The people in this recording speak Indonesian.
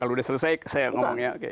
kalau sudah selesai saya ngomong ya